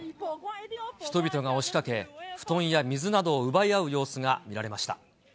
人々が押しかけ、布団や水などを奪い合う様子が見られました。